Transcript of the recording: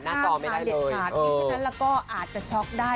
ห้ามขายเด็ดขาดกินฉะนั้นแล้วก็อาจจะช็อกได้